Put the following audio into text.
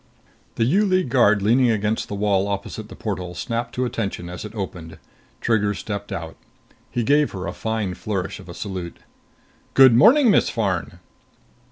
The U League guard leaning against the wall opposite the portal snapped to attention as it opened. Trigger stepped out. He gave her a fine flourish of a salute. "Good morning, Miss Farn."